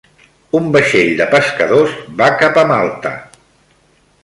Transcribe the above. Un vaixell de pescadors va cap a Malta